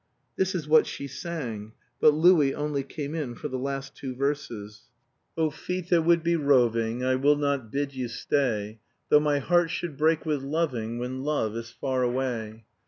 This is what she sang; but Louis only came in for the last two verses. "Oh feet that would be roving, I will not bid you stay, Though my heart should break with loving, When love is far away.